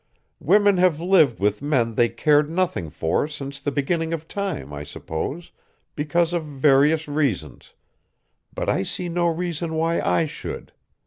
Women have lived with men they cared nothing for since the beginning of time, I suppose, because of various reasons but I see no reason why I should.